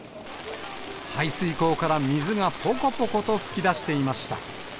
排水溝から水がぽこぽこと噴き出していました。